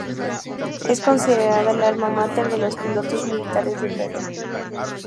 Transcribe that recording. Es considerada el Alma Mater de los pilotos militares del Perú.